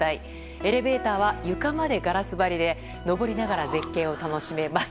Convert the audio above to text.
エレベーターは床までガラス張りで上りながら絶景を楽しめます。